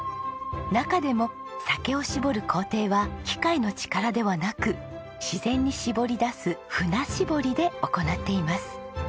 中でも酒をしぼる工程は機械の力ではなく自然にしぼり出す槽しぼりで行っています。